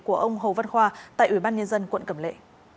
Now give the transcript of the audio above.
của ông hồ văn khoa tại ubnd quận cẩm lệ